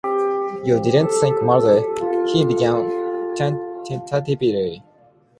“You didn’t think, mother —” he began tentatively.